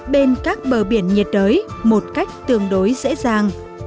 bên các bờ biển nhiệt đới một cách tương đối dễ dàng